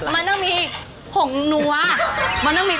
มันต้องมีผงนัวมันต้องมี